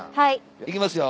行きますよ。